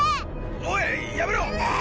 おいやめろ！